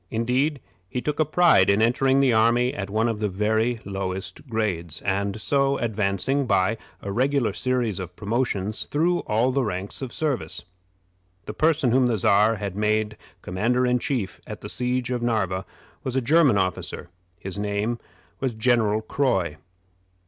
Indeed, he took a pride in entering the army at one of the very lowest grades, and so advancing, by a regular series of promotions, through all the ranks of the service. The person whom the Czar had made commander in chief at the siege of Narva was a German officer. His name was General Croy.